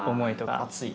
熱い。